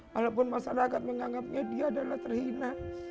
walaupun masyarakat menganggapnya dia adalah terhina